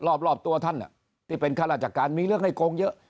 รอบตัวท่านที่เป็นข้าราชการมีเรื่องให้โกงเยอะ